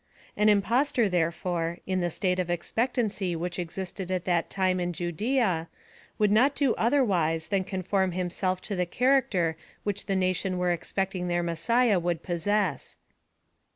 An impostor, therefore, in the state of ex pectancy which existed at that time in Judea, could not do otherwise than conform himself to the char acter which the nation were expecting their Messiah would possess.